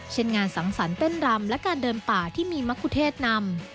เช่นงานสังสรรค์เต้นรำและการเดินป่าที่มีมะคุเทศนำ